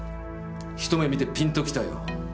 ひと目見てピンと来たよ。